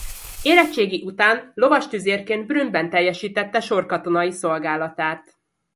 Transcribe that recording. Érettségi után lovas tüzérként Brünnben teljesítette sorkatonai szolgálatát.